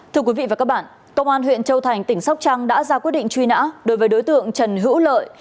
thưa quý vị và các bạn công an huyện châu thành tỉnh sóc trăng đã ra quyết định truy nã đối với đối tượng trần hữu lợi